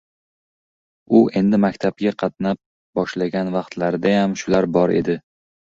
U endi maktabga qatnab boshlagan vaqtlariyam shular bor edi.